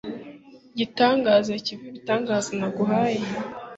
IGITANGAZA Kv ibitangaza naguhaye